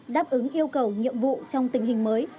đáp ứng yêu cầu nhiệm vụ trong tình hình mới